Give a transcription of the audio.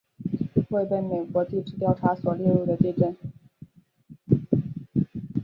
未被美国地质调查所列入的地震